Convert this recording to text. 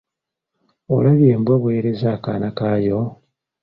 Olabye embwa bw'ereze akaana kayo?